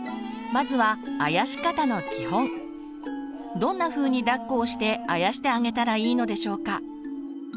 どんなふうにだっこをしてあやしてあげたらいいのでしょうか？